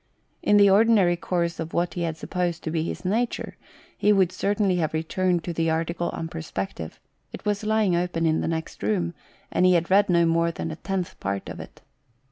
In the ordinary course of what he had supposed to be his nature, he would certainly have returned to the article on Perspective ; it was lying open in the next room, and he had read no more than a tenth part of it.